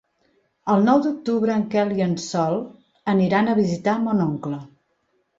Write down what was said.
El nou d'octubre en Quel i en Sol aniran a visitar mon oncle.